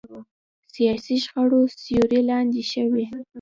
سیاسي شخړو سیوري لاندې شوي.